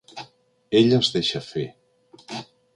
Ella es deixa fer.